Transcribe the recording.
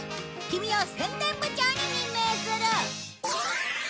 キミを宣伝部長に任命する！